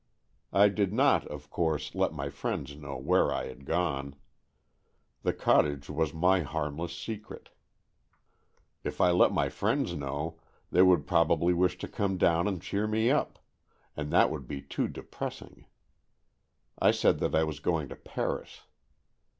I did not, of course, let my friends know where I had gone. The cottage was my harmless secret. If I let my friends know, they would probably wish to come down and cheer me up, and that would be too depress ing. I said that I was going to Paris.